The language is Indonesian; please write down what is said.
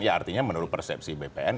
ya artinya menurut persepsi bpn